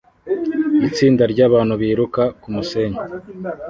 Itsinda ryabantu biruka kumusenyi